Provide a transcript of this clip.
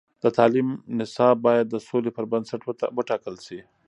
د تعلیم نصاب باید د سولې پر بنسټ وټاکل شي.